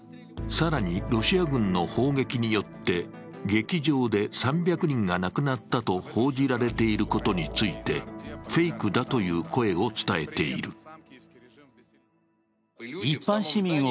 更に、ロシア軍の砲撃によって、劇場で３００人が亡くなったと報じられていることについて、フェイクだという声を伝えている。